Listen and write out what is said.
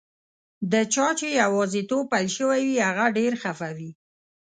د چا چي یوازیتوب پیل شوی وي، هغه ډېر خفه وي.